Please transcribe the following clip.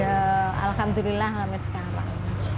ya alhamdulillah sampai sekarang